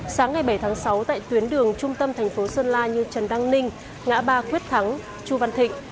sáng ngày bảy tháng sáu tại tuyến đường trung tâm thành phố sơn la như trần đăng ninh ngã ba quyết thắng chu văn thịnh